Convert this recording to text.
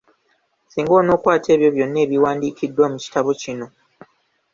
Singa onookwata ebyo byonna ebiwandiikiddwa mu kitabo kino.